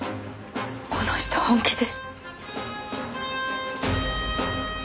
この人は本気です。